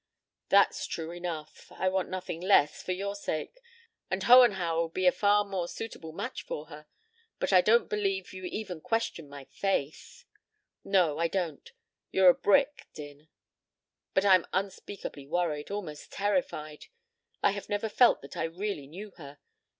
"That is true enough. I want nothing less for your sake; and Hohenhauer would be a far more suitable match for her. But I don't believe you even question my faith " "No. I don't. You're a brick, Din. But I'm unspeakably worried almost terrified. I have never felt that I really knew her.